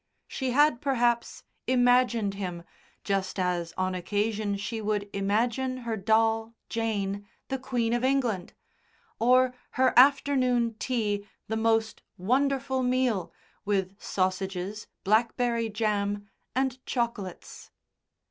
She had perhaps imagined him just as on occasion she would imagine her doll, Jane, the Queen of England, or her afternoon tea the most wonderful meal, with sausages, blackberry jam and chocolates.